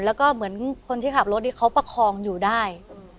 แล้วก็เหมือนคนที่ขับรถที่เขาประคองอยู่ได้